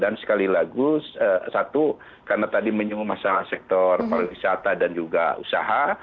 dan sekali lagi satu karena tadi menyungguh masalah sektor pariwisata dan juga usaha